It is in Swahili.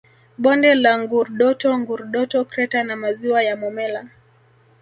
Bonde la Ngurdoto Ngurdoto Crater na maziwa ya Momella